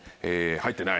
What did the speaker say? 入ってない。